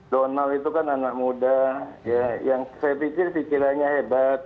donald itu kan anak muda yang saya pikir pikirannya hebat